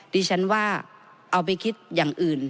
ดิฉันว่าเอาไปคิดอย่างอื่น